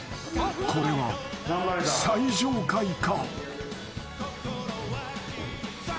［これは最上階か？］